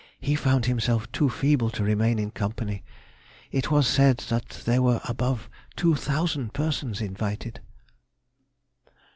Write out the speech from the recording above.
He found himself too feeble to remain in company. It was said that there were above two thousand persons invited.